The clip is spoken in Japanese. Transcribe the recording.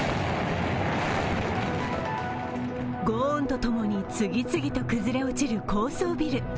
轟音とともに次々と崩れ落ちる高層ビル。